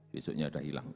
besoknya udah hilang